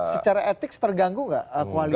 secara etik terganggu nggak kualitas